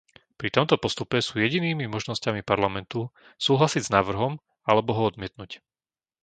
Pri tomto postupe sú jedinými možnosťami Parlamentu súhlasiť s návrhom alebo ho odmietnuť.